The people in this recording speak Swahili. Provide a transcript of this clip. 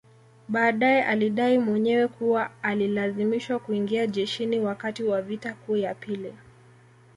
Baadae alidai mwenyewe kuwa alilazimishwa kuingia jeshini wakati wa vita kuu ya pili